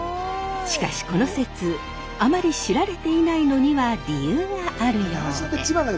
しかしこの説あまり知られていないのには理由があるようで。